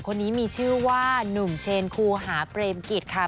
คนนี้มีชื่อว่านุ่มเชนคูหาเปรมกิจค่ะ